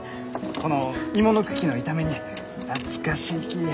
この芋の茎の炒め煮懐かしいき。